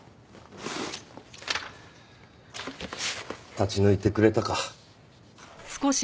立ち退いてくれたか。